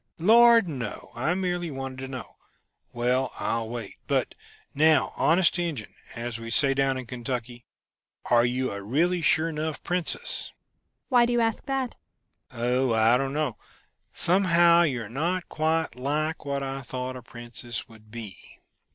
"Are you afraid?" "Lord, no! I merely wanted to know. Well, I'll wait. But, now, honest Injun, as we say down in Kentucky, are you a really, sure enough princess?" "Why do you ask that?" "Oh, I don't know. Somehow you are not quite like what I thought a princess would be....